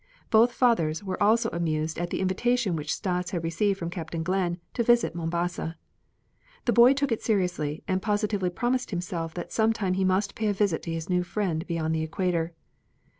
Both fathers were also amused at the invitation which Stas had received from Captain Glenn to visit Mombasa. The boy took it seriously and positively promised himself that sometime he must pay a visit to his new friend beyond the equator.